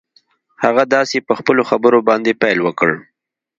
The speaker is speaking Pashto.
هغه داسې په خپلو خبرو باندې پيل وکړ.